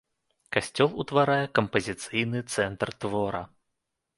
Касцёл утварае кампазіцыйны цэнтр твора.